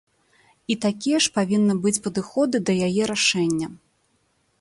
І такія ж павінны быць падыходы да яе рашэння.